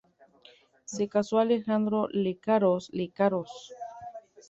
Se casó Alejandra Lecaros Lecaros.